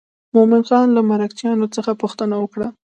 مومن خان له مرکچیانو څخه پوښتنه وکړه.